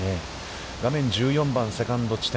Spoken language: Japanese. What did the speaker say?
画面１４番セカンド地点。